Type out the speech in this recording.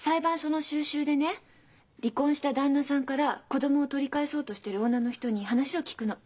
離婚した旦那さんから子供を取り返そうとしてる女の人に話を聞くの。